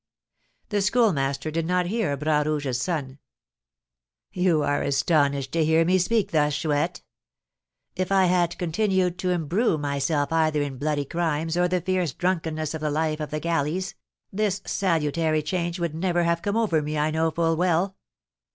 The Schoolmaster did not hear Bras Rouge's son. "You are astonished to hear me speak thus, Chouette? If I had continued to imbrue myself either in bloody crimes or the fierce drunkenness of the life of the galleys, this salutary change would never have come over me I know full well.